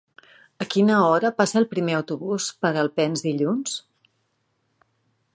A quina hora passa el primer autobús per Alpens dilluns?